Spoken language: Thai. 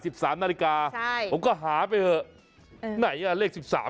สงสัย